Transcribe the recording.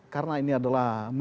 karena ini adalah